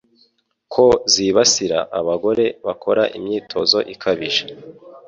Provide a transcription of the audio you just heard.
ko zibasira abagore bakora imyitozo ikabije